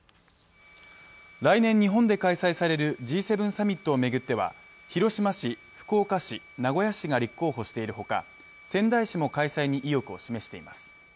来年、日本で開催されるＧサミットを巡っては、広島市、福岡市、名古屋市が立候補しているほか仙台市も開催に意欲を示しています。